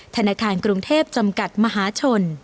ธนาคารกรุงเทพจำกัดมหาชน